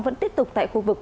vẫn tiếp tục tại khu vực